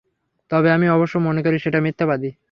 তবে আমি অবশ্য মনে করি সে মিথ্যাবাদী।